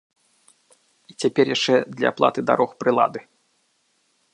І цяпер яшчэ для аплаты дарог прылады.